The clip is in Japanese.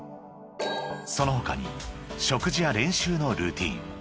［その他に食事や練習のルーティン］